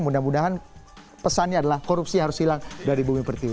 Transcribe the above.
mudah mudahan pesannya adalah korupsi harus hilang dari bumi pertiwi